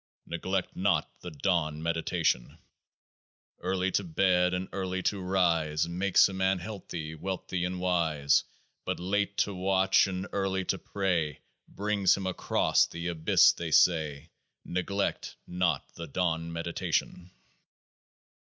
Neglect not the dawn meditation ! Early to bed and early to rise Makes a man healthy and wealthy and wise : But late to watch and early to pray Brings him across The Abyss, they say. Neglect not the dawn meditation